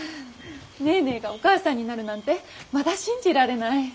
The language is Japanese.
ネーネーがお母さんになるなんてまだ信じられない。